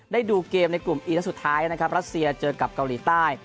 ดูเกมในกลุ่มอีนัดสุดท้ายนะครับรัสเซียเจอกับเกาหลีใต้